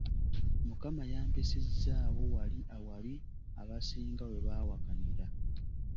Mukama yampisizzaawo wali awabi abasinga we baawakanira.